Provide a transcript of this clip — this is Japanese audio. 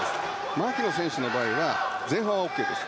牧野選手の場合は前半はＯＫです。